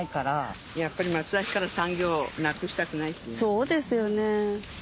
そうですよね。